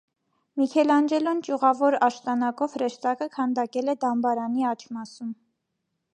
Միքելանջելոն ճյուղավոր աշտանակով հրեշտակը քանդակել է դամբարանի աջ մասում։